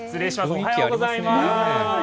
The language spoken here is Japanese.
おはようございます。